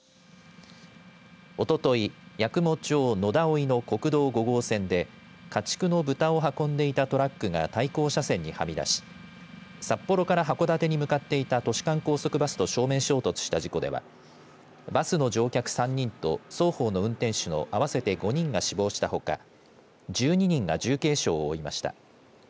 おととい、八雲町野田生の国道５号線で家畜の豚を運んでいたトラックが対向車線にはみ出し札幌から函館に向かっていた都市間高速バスと正面衝突した事故ではバスの乗客３人と双方の運転手の合わせて５人が死亡したほか１２人が重軽傷を負いました。